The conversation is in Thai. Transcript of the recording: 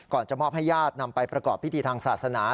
จะมอบให้ญาตินำไปประกอบพิธีทางศาสนา